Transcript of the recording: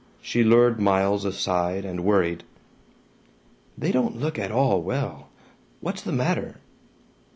She lured Miles aside and worried: "They don't look at all well. What's the matter?"